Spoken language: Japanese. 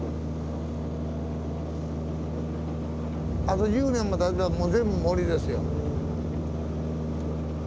あと１０年もたてばもう全部森ですよ。